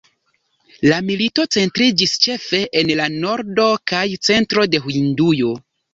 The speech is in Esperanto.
La milito centriĝis ĉefe en la nordo kaj centro de Hindujo.